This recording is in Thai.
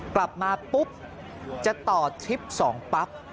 กลับมาปุ๊บจะต่อทริป๒ปั๊บ